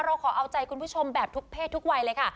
เราขอเอาใจคุณผู้ชมแบบทุกเพศทุกวัยเลยค่ะ